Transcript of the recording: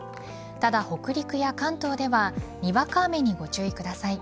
ただ北陸や関東ではにわか雨にご注意ください。